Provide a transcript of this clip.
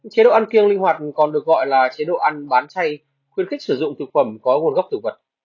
chế độ ăn kiêng linh hoạt còn được gọi là chế độ ăn bán chay khuyên khích sử dụng thực phẩm có nguồn gốc thực vật